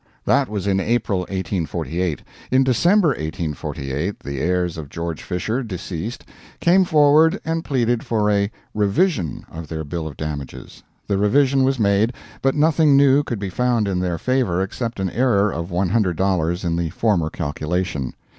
That was in April, 1848. In December, 1848, the heirs of George Fisher, deceased, came forward and pleaded for a "revision" of their bill of damages. The revision was made, but nothing new could be found in their favor except an error of $100 in the former calculation.